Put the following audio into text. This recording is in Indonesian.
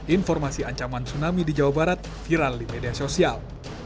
informasi ancaman tsunami di jawa barat viral di media sosial